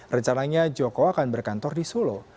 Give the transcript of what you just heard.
rencananya joko akan berkantor di solo